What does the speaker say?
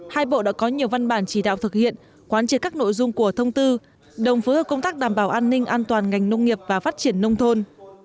hai bộ đã có nhiều văn bản chỉ đạo thực hiện quán triệt các nội dung của thông tư đồng phối hợp công tác đảm bảo an ninh an toàn ngành nông nghiệp và phát triển nông thôn